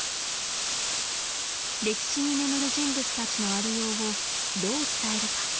歴史に眠る人物たちのありようをどう伝えるか。